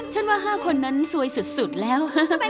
ว่า๕คนนั้นซวยสุดแล้ว